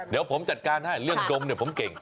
เดี๋ยวผมจัดการให้เรื่องดมเนี่ยผมเก่ง